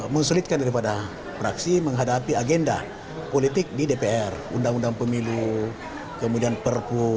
mensulitkan daripada praksi menghadapi agenda politik di dpr undang undang pemilu kemudian perpu